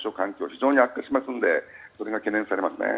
非常に悪化しますのでそれが懸念されますね。